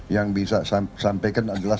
yang bisa disampaikan adalah